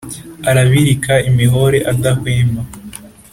Arabirika imihore adahwema